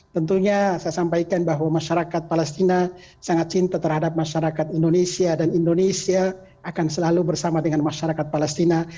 tentunya saya sampaikan bahwa masyarakat palestina sangat cinta terhadap masyarakat indonesia dan indonesia akan selalu bersama dengan masyarakat palestina